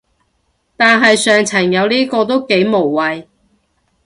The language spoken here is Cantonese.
但係上層有呢個都幾無謂